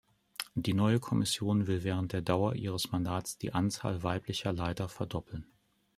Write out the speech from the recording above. Die neue Kommission will während der Dauer ihres Mandats die Anzahl weiblicher Leiter verdoppeln.